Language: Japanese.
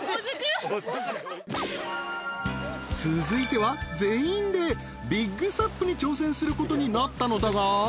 ［続いては全員でビッグサップに挑戦することになったのだが］